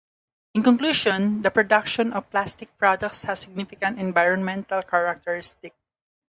In conclusion, the production of plastic products has significant environmental characteristics.